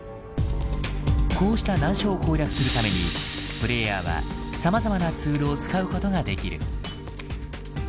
こうした難所を攻略するためにプレイヤーはさまざまなツールを使うことができる。